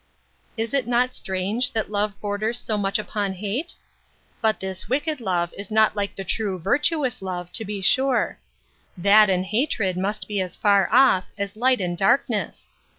Is it not strange, that love borders so much upon hate? But this wicked love is not like the true virtuous love, to be sure: that and hatred must be as far off, as light and darkness.